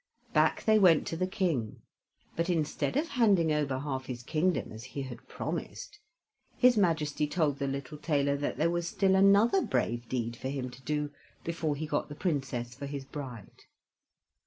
Back they went to the King, but instead of handing over half his kingdom, as he had promised, his Majesty told the little tailor that there was still another brave deed for him to do before he got the Princess for his bride.